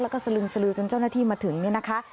แล้วก็สลึมสลือจนเจ้าหน้าที่มาถึงเนี่ยนะคะ